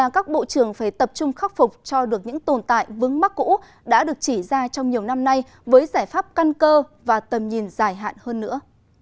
các bộ trưởng phải tập trung khắc phục cho được những tồn tại vướng mắc cũ đã được chỉ ra trong nhiều năm nay với giải pháp căn cơ và tầm nhìn dài hạn hơn nữa